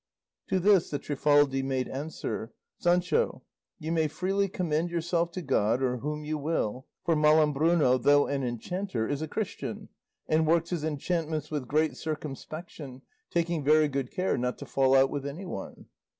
To this the Trifaldi made answer, "Sancho, you may freely commend yourself to God or whom you will; for Malambruno though an enchanter is a Christian, and works his enchantments with great circumspection, taking very good care not to fall out with anyone."